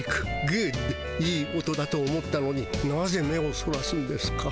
グッドいい音だと思ったのになぜ目をそらすんですか？